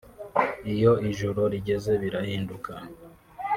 Iyo ijoro rigeze birahinduka